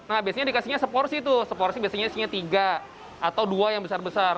nah biasanya dikasihnya seporsi tuh seporsi biasanya isinya tiga atau dua yang besar besar